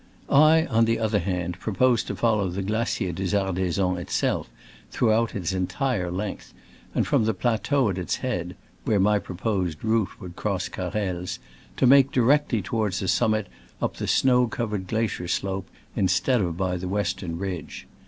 I, on the other hand, pro posed to follow the Glacier de Zarde san itself throughout its entire length, and from the plateau at its head (where my proposed route would cross Carrel's) lO make directly toward the summit up the snow covered glacier slope, instead of by the western ridge.